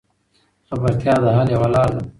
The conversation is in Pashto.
خبرتیا د حل یوه لار ده.